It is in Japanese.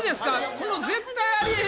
この絶対ありえへん